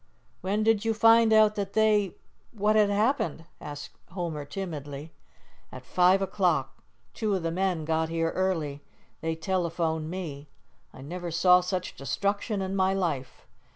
"When did you find out that they what had happened?" asked Homer timidly. "At five o'clock. Two of the men got here early. They telephoned me. I never saw such destruction in my life.